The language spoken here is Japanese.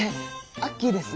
アッキーです。